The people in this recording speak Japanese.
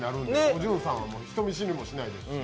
おじゅんさんは人見知りもしないですし。